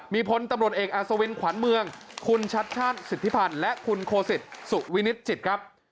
มีพลตำรวจเอกอาศวินขวัญเมืองคุณชัดชาติสิทธิพันธ์และคุณโคสิตสุวินิตจิตครับ